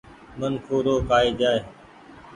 منکون رو ڪآئي جآئي ۔